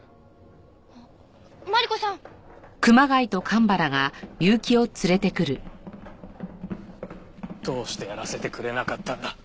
あっマリコさん！どうしてやらせてくれなかったんだ。